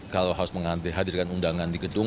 kalau harus hadirkan undangan di gedung